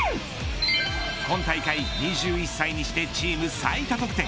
今大会２１歳にしてチーム最多得点。